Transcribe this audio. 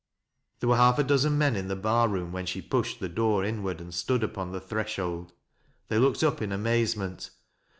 There were half a dozen men in the bar room when she pushed the door inward and stood upon the threshold. They looked up in amazement.